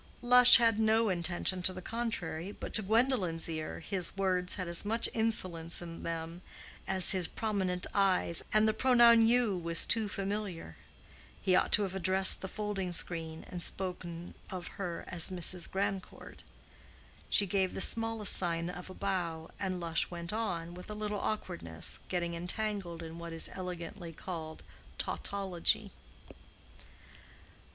Lush had no intention to the contrary, but to Gwendolen's ear his words had as much insolence in them as his prominent eyes, and the pronoun "you" was too familiar. He ought to have addressed the folding screen, and spoke of her as Mrs. Grandcourt. She gave the smallest sign of a bow, and Lush went on, with a little awkwardness, getting entangled in what is elegantly called tautology.